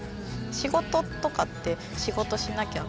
仕事とかって「仕事しなきゃ」